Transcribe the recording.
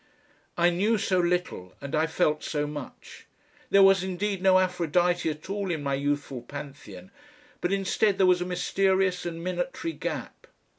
I knew so little and I felt so much. There was indeed no Aphrodite at all in my youthful Pantheon, but instead there was a mysterious and minatory gap.